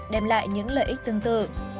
đem lại những lợi ích tương tự